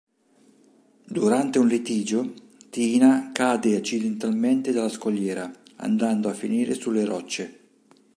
Durante un litigio, Tina cade accidentalmente dalla scogliera, andando a finire sulle rocce.